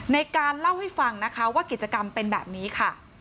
ในการเล่าให้ฟังนะคะว่ากิจกรรมเป็นแบบนี้ค่ะ